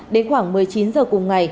đến khoảng một mươi chín h cùng ngày